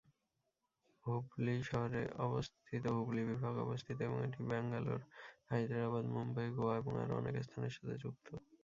হুবলি শহরে অবস্থিত হুবলি বিভাগ অবস্থিত এবং এটি ব্যাঙ্গালোর, হায়দরাবাদ, মুম্বাই ও গোয়া এবং আরও অনেক স্থানের সাথে যুক্ত।